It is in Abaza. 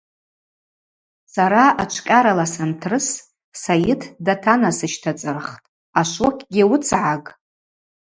Сара ачвкъьарала сантрыс Сайыт датанасыщтацӏырхтӏ: – Ашвокьгьи уыцгӏаг.